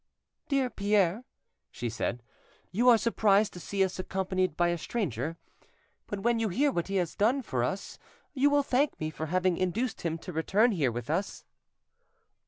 "Dear Pierre," she said, "you are surprised to see us accompanied by a stranger, but when you hear what he has done for us you will thank me for having induced him to return here with us."